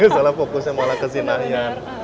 salah fokusnya malah kesinahnya